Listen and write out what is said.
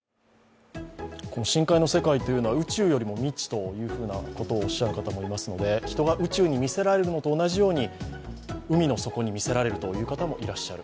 深海の世界というのは宇宙よりも未知とおっしゃる方もいますので人が宇宙にみせられるのと同じように、海の底にみせられるという方もいらっしゃる。